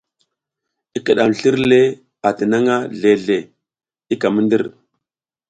I kiɗam slir le atinangʼha zle zle i ka mi ndir.